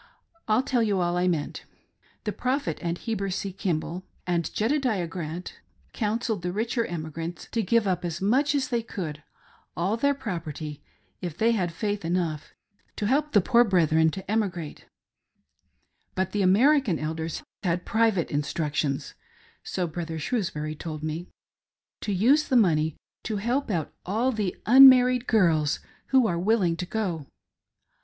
I'll tell you all I meant. The Prophet and Heber C. Kimball, and Jedediah Grant BRIGHAM YOUNG PROPOSED AS KING ! igg counselled the richer emigrants to give as much as they could —all their property, if they had faith enough— to help the poor brethren to emigrate; but the American Elders had private instructions— so Brother Shrewsbury told me— to use the money to help out all the unmarried girls who are willing to go.